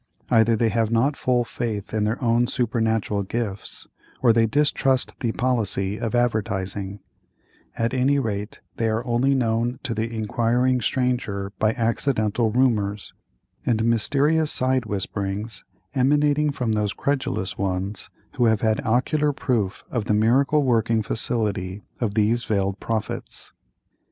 Either they have not full faith in their own supernatural gifts, or they distrust the policy of advertising; at any rate they are only known to the inquiring stranger by accidental rumors, and mysterious side whisperings emanating from those credulous ones who have had ocular proof of the miracle working facility of these veiled prophets.